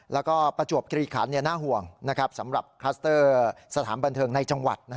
แล้วก็ประจวบกรีคันน่าห่วงสำหรับคลัสเตอร์สถานบันเทิงในจังหวัด